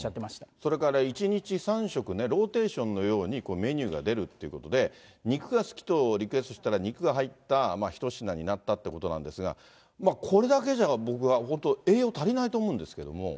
それから１日３食ね、ローテーションのようにメニューが出るということで、肉が好きとリクエストしたら、肉が入った一品になったということなんですが、これだけじゃ僕は本当、栄養足りないと思うんですけれども。